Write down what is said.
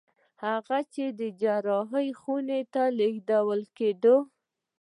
هغه چې د جراحي خونې ته لېږدول کېده